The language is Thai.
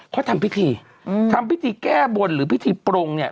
เขาทำพิธีอืมทำพิธีแก้บนหรือพิธีปรงเนี่ย